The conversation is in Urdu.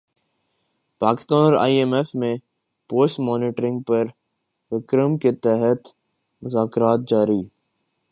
پاکستان اور ائی ایم ایف میں پوسٹ مانیٹرنگ پروگرام کے تحت مذاکرات جاری